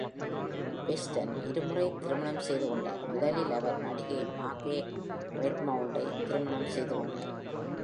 Western இருமுறை திருமணம் செய்துகொண்டார், முதலில் அவர் நடிகை Marge Redmond-ஐத் திருமணம் செய்துகொண்டார்.